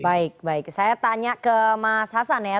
baik baik saya tanya ke mas hasan ya